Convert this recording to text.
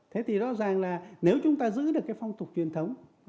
thế thì rõ ràng là nếu chúng ta giữ được cái phong tục truyền thống